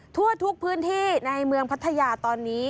ทั่วทุกพื้นที่ในเมืองพัทยาตอนนี้